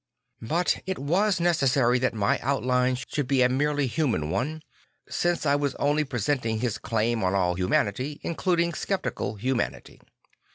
But it was necessary that my outline should be a merely human one, since I was only presenting his claim on all humanity, including sceptical humanity.